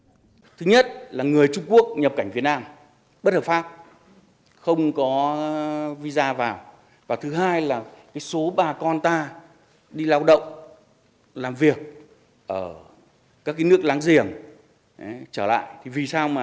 liên quan đến vấn đề người nước ngoài nhập cảnh trái phép vào việt nam đại diện bộ công an cho biết